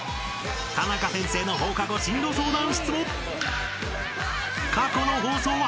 ［タナカ先生の放課後進路相談室も］